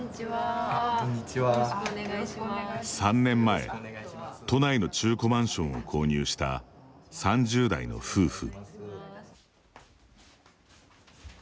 ３年前、都内の中古マンションを購入した３０代の夫婦。